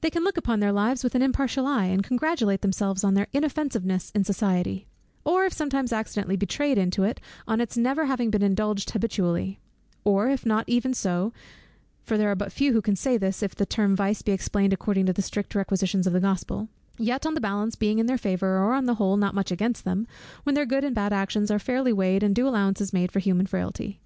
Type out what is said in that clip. "They can look upon their lives with an impartial eye, and congratulate themselves on their inoffensiveness in society; on their having been exempt, at least, from any gross vice, or if sometimes accidentally betrayed into it, on its never having been indulged habitually; or if not even so" (for there are but few who can say this, if the term vice be explained according to the strict requisitions of the Gospel) "yet on the balance being in their favour, or on the whole, not much against them, when their good and bad actions are fairly weighed, and due allowance is made for human frailty."